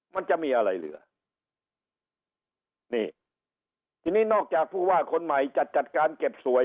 มันจะมีอะไรเหลือนี่ทีนี้นอกจากผู้ว่าคนใหม่จะจัดการเก็บสวย